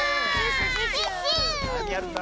なにやるんだ？